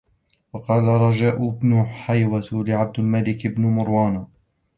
وَقَالَ رَجَاءُ بْنُ حَيْوَةَ لِعَبْدِ الْمَلِكِ بْنِ مَرْوَانَ